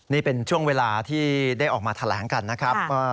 นี่เป็นช่วงเวลาที่ได้ออกมาแถลงกันนะครับ